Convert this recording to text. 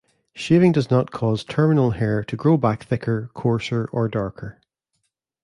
Shaving does not cause terminal hair to grow back thicker, coarser or darker.